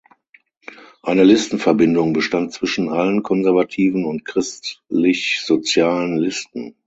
Eine Listenverbindung bestand zwischen allen konservativen und christlichsozialen Listen.